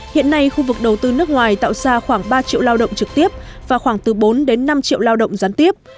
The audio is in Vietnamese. hiện nay khu vực đầu tư nước ngoài tạo ra khoảng ba triệu lao động trực tiếp và khoảng từ bốn đến năm triệu lao động gián tiếp